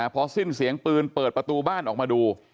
พอสิ้นเสียงปืนเปิดประตูบ้านออกมาดู